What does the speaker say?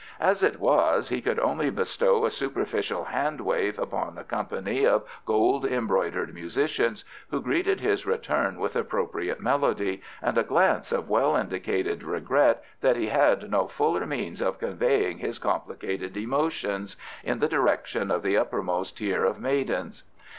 As it was, he could only bestow a superficial hand wave upon a company of gold embroidered musicians who greeted his return with appropriate melody, and a glance of well indicated regret that he had no fuller means of conveying his complicated emotions, in the direction of the uppermost tier of maidens.